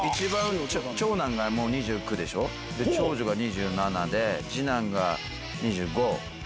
長男が２９でしょ長女が２７で次男が２５。